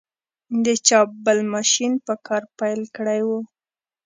د چاپ بل ماشین په کار پیل کړی و.